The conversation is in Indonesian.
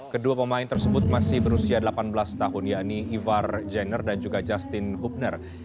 kedua pemain tersebut masih berusia delapan belas tahun yakni ivar jenner dan juga justin hubner